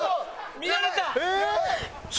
見られた！